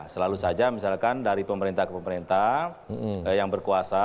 selalu saja misalkan dari pemerintah ke pemerintah yang berkuasa